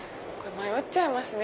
迷っちゃいますね